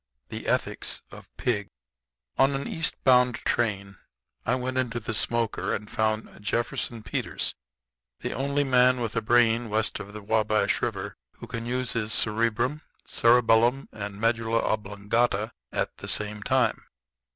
THE ETHICS OF PIG On an east bound train I went into the smoker and found Jefferson Peters, the only man with a brain west of the Wabash River who can use his cerebrum, cerebellum, and medulla oblongata at the same time.